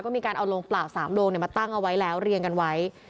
มีการเอาโรงเปล่า๓โลงมาตั้งเอาไว้แล้วเรียงกันไว้